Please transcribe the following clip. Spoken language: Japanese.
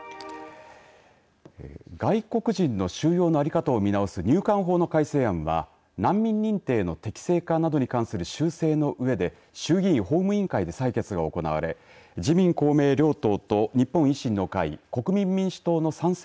外国人の収容の在り方を見直す入管法の改正案は難民認定の適正化などに関する修正のうえで衆議院法務委員会で採決が行われ自民・公明両党と日本維新の会国民民主党の賛成